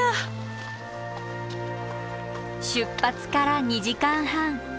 出発から２時間半。